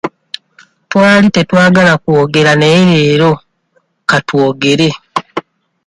Twali tetwagala kwogera naye leero katwogere.